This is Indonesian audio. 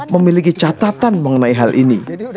memiliki catatan mengenai hal ini